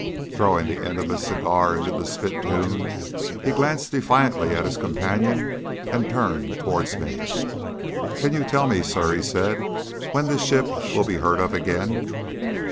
Throwing the end of his cigar into the spittoon, he glanced defiantly at his companion and turned towards me. "Can you tell me, sir," he said, "when this ship will be heard of again?"